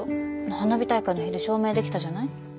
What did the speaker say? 花火大会の日で証明できたじゃない？